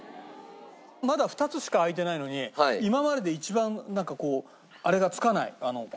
まだ２つしか開いてないのに今までで一番なんかこうあれがつかない。